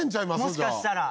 もしかしたら。